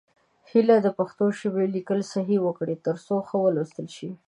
هیله ده د پښتو ژبې لیکل صحیح وکړئ، تر څو ښه ولوستل شي.